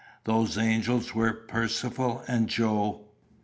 Those angels were Percivale and Joe.